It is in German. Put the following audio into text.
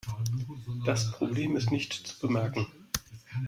Das Problem ist nicht zu bemerken.